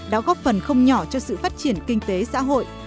đã góp phần không nhỏ cho sự phát triển kinh tế xã hội